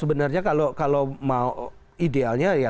sebenarnya kalau mau idealnya